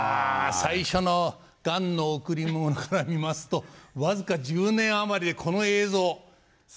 最初の「雁のおくりもの」から見ますと僅か１０年余りでこの映像。